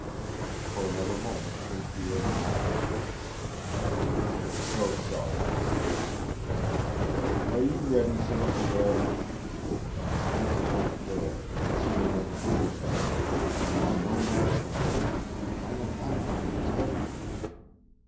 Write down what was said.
For another moment St. Pierre hesitated. "I am so sorry, m'sieu "Are you ready, St. Pierre?" "It is not fair, and she will never forgive me. You are no match for me. I am half again as heavy."